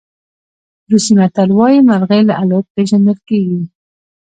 روسي متل وایي مرغۍ له الوت پېژندل کېږي.